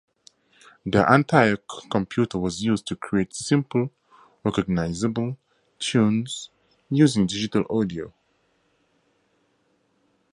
The entire computer was used to create simple, recognizable tunes using digital audio.